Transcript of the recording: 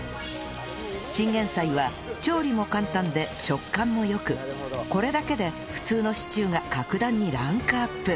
チンゲンサイは調理も簡単で食感も良くこれだけで普通のシチューが格段にランクアップ